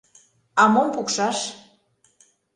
А мом пукшаш?